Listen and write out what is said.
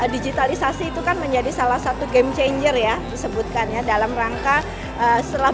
digitalisasi itu kan menjadi salah satu game changer ya disebutkan ya dalam rangka setelah